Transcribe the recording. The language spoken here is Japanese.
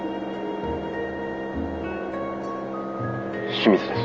清水です。